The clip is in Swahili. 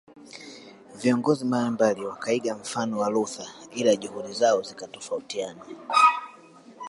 Viongozi mbalimbali wakaiga mfano wa Luther ila juhudi zao zikatofautiana